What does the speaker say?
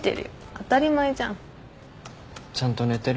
当たり前じゃん。ちゃんと寝てる？